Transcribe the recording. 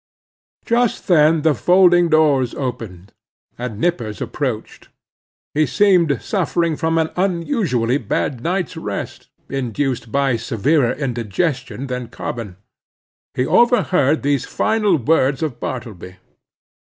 Just then the folding doors opened, and Nippers approached. He seemed suffering from an unusually bad night's rest, induced by severer indigestion than common. He overheard those final words of Bartleby.